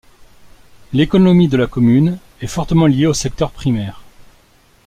L'économie de la commune est fortement liée au secteur primaire.